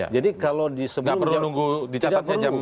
jadi kalau di sebelum jam dua belas